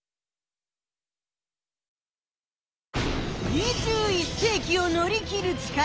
２１世きを乗り切る力。